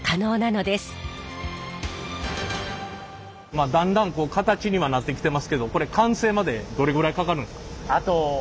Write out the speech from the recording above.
まあだんだんこう形にはなってきてますけどこれ完成までどれぐらいかかるんですか？